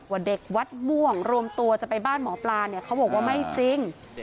ว่าเด็กวัดม่วงรวมตัวจะไปบ้านหมอปลาเนี่ยเขาบอกว่าไม่จริง